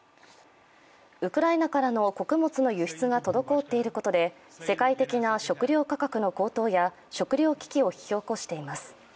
ウクライナからの穀物の輸出が滞っていることで世界的な食料価格の高騰や食糧危機を引き起こしています。